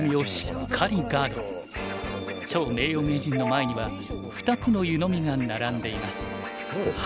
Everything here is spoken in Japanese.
趙名誉名人の前には２つの湯飲みが並んでいます。